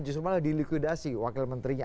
justru malah dilikuidasi wakil menterinya